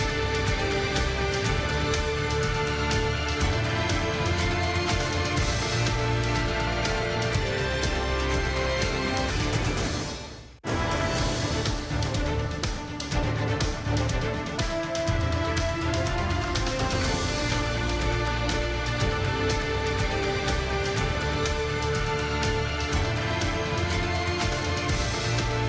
โปรดติดตามตอนต่อไป